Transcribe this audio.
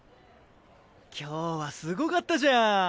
今日はすごかったじゃん。